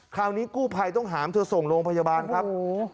คราวนี้กู้ภัยต้องหามเธอส่งโรงพยาบาลครับ